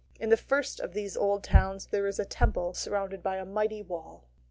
In the first of these old towns there is a Temple surrounded by a mighty wall.